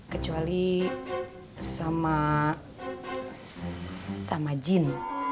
kecuali sama sama jin